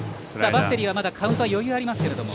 バッテリーはカウントが余裕がありますけど。